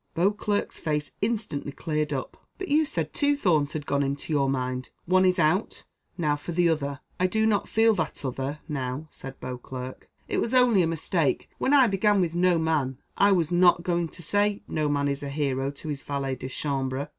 Beauclerc's face instantly cleared up. "But you said two thorns had gone into your mind one is out, now for the other." "I do not feel that other, now," said Beauclerc, "it was only a mistake. When I began with 'No man,' I was not going to say, 'No man is a hero to his valet de chambre.